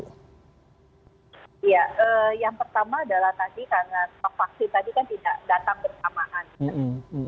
lebih difokuskan terhadap wilayah wilayah yang ada di ibu kota ataupun daerah daerah penyangga lainnya bu